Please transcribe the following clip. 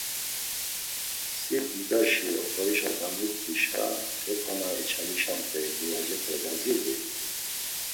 Si didaşi oxorişen gamit̆işa; heko na içalişamt̆ey buyacipe gazirui?